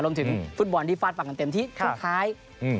รวมถึงฟุตบอลที่ฟาญธรรมต่างกับเต็มที่ที่สุดท้ายเป็นตัวแทนนะครับ